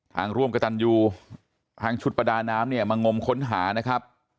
ร่วมกระตันยูทางชุดประดาน้ำเนี่ยมางมค้นหานะครับ